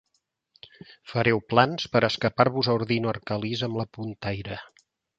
Fareu plans per escapar-vos a Ordino Arcalís amb la puntaire.